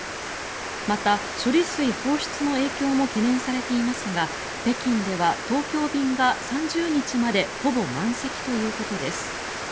また処理水放出の影響も懸念されていますが北京では東京便が３０日までほぼ満席ということです。